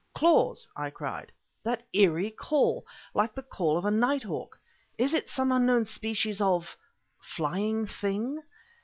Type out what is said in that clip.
"Claws!" I cried. "That eerie call! like the call of a nighthawk is it some unknown species of flying thing?"